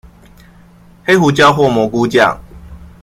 黑胡椒或蘑菇醬